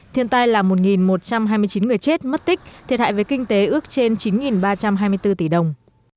thiên tai là một một trăm hai mươi chín người chết mất tích thiệt hại về kinh tế ước trên chín ba trăm hai mươi bốn tỷ đồng